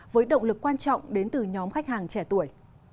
với động lực quan trọng đến từ nhóm khách hàng trẻ tuổi